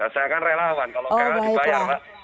saya kan relawan kalau kol dibayar